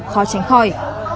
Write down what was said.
khó tránh khỏi